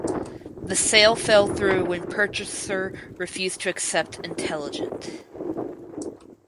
The sale fell through when purchaser refused to accept "Intelligent".